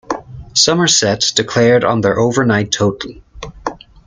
Somerset declared on their overnight total.